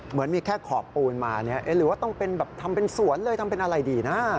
เหมือนมีแค่ขอบปูนมาหรือว่าต้องเป็นแบบทำเป็นสวนเลยทำเป็นอะไรดีนะ